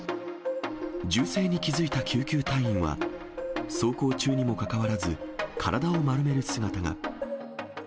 銃声に気付いた救急隊員は、走行中にもかかわらず、体を丸める姿が。